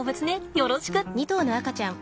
よろしく。